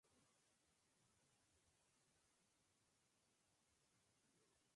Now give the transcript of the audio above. Obtuvo un doctorado en Derecho por la misma Universidad.